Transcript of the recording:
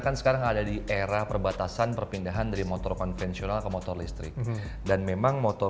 kenapa karena pendadanya itu tidak pernah mau